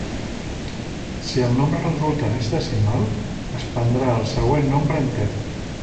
Si el nombre resultant és decimal, es prendrà el següent nombre enter.